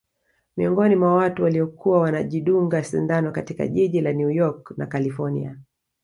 Miongoni mwa watu waliokuwa wanajidunga sindano katika jiji la New York na kalifornia